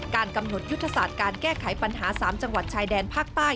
กำหนดยุทธศาสตร์การแก้ไขปัญหา๓จังหวัดชายแดนภาคใต้